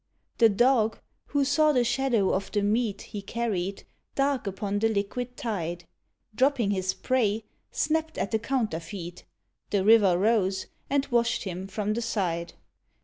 The Dog, who saw the shadow of the meat He carried, dark upon the liquid tide, Dropping his prey, snapped at the counterfeit: The river rose, and washed him from the side.